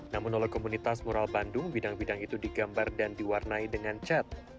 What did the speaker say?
namun oleh komunitas mural bandung bidang bidang itu digambar dan diwarnai dengan cat